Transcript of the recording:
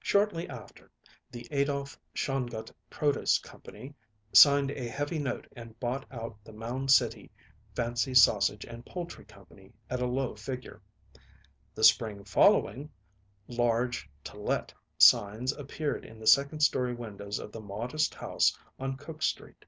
Shortly after, the Adolph Shongut Produce Company signed a heavy note and bought out the Mound City Fancy Sausage and Poultry Company at a low figure. The spring following, large "To Let" signs appeared in the second story windows of the modest house on Cook Street.